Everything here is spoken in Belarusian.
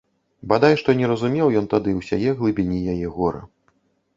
Бадай што не разумеў ён тады ўсяе глыбіні яе гора.